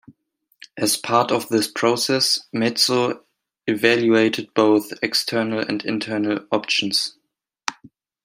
As part of this process, Metso evaluated both external and internal options.